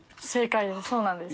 そうなんです。